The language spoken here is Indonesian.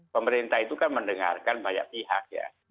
pemerintah itu kan mendengarkan banyak pihak ya